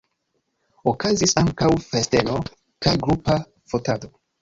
Okazis ankaŭ festeno kaj grupa fotado.